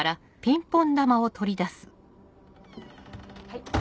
はい。